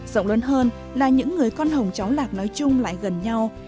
rộng lớn hơn là những người con hồng cháu lạc nói chung lại gần nhau